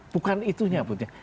bukan itunya putri